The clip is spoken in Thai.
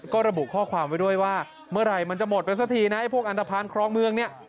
ก็ระบุข้อความไว้ด้วยว่าเมื่อไหร่มันจะหมดไปสักทีนะไอ้พวกอันตภัณฑ์ครองเมืองเนี่ย